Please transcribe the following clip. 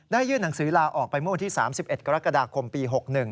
ยื่นหนังสือลาออกไปเมื่อวันที่๓๑กรกฎาคมปี๖๑